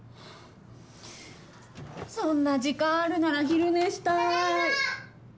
そんな時間あるなら昼寝したい。